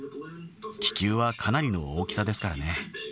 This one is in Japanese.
気球はかなりの大きさですからね。